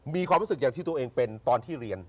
มีความรู้สึกอย่างที่ตัวเองเป็นตอนที่เรียน